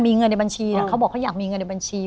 มีเงินในบัญชีเขาบอกเขาอยากมีเงินในบัญชี